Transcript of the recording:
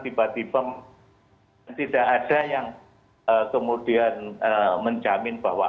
tiba tiba tidak ada yang kemudian menjamin bahwa